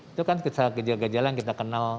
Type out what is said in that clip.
itu kan gejala gejala yang kita kenal